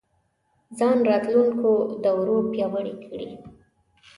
ځان راتلونکو دورو پیاوړی کړي